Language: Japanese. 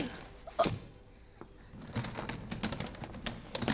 あっ。